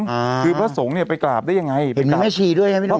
อ่าคือพระสงฆ์เนี่ยไปกราบได้ยังไงเห็นมิงไฮชีด้วยไหมพี่หนุ่ม